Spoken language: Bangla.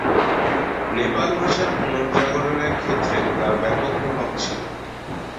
নেপাল ভাষার পুনর্জাগরণের ক্ষেত্রেও তার ব্যাপক প্রভাব ছিল।